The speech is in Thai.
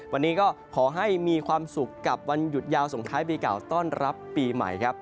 วันนี้ก็ขอให้มีความสุขกับวันหยุดยาวส่งท้ายปีเก่าต้อนรับปีใหม่ครับ